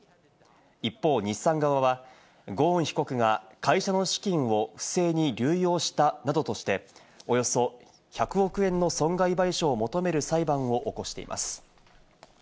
一方、日産側はゴーン被告が会社の資金を不正に流用したなどとして、およそ１００億円の損害賠償を求める裁判を起こしています。